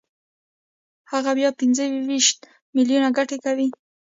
هغه بیا پنځه ویشت میلیونه ګټه کوي